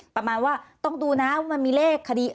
ประมาณว่าต้องดูนะว่ามันมีเลขคดี